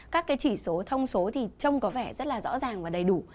các cái chỉ số thông số thì trông có vẻ rất là rõ ràng và đầy đủ